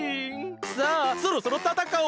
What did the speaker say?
さあそろそろたたかおう！